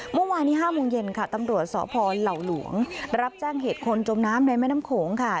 เมื่อวานนี้๕โมงเย็นค่ะตำรวจสพเหล่าหลวงรับแจ้งเหตุคนจมน้ำในแม่น้ำโขงค่ะ